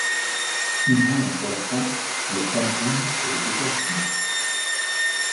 Il vit entre la France, le Cameroun et les États-Unis.